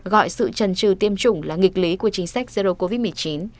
gọi sự trần trừ tiêm chủng là nghịch lý của chính sách zero covid một mươi chín